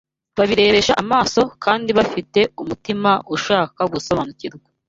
babirebesha amaso, kandi bafite n’umutima ushaka gusobanukirwa.